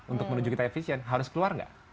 untuk menuju kita efisien harus keluar nggak